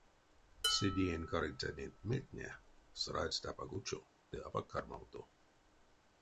Седеень карыця неть мельтне срадсть апак учо ды апак кармавто.